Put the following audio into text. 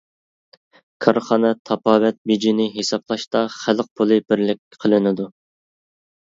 كارخانا تاپاۋەت بېجىنى ھېسابلاشتا خەلق پۇلى بىرلىك قىلىنىدۇ.